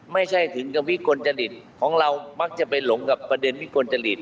ไม่ใช่ถึงกับวิกลจริตของเรามักจะไปหลงกับประเด็นวิกลจริต